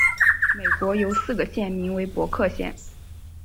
美国有四个县名为伯克县。